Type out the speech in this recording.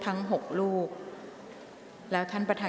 ออกรางวัลเลขหน้า๓ตัวครั้งที่๒